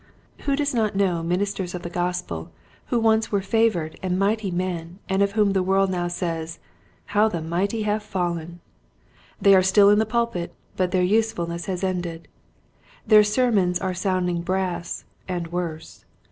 Who does not know ministers of the Gospel who once were favored and mighty men and of whom the world now says, How are the mighty fallen ! They are still in the pulpit but their usefulness has ended. Their ser mons are sounding brass and worse.